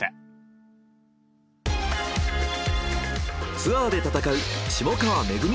ツアーで戦う下川めぐみ